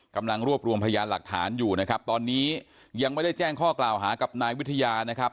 กำลังรวบรวมพยานหลักฐานอยู่นะครับตอนนี้ยังไม่ได้แจ้งข้อกล่าวหากับนายวิทยานะครับ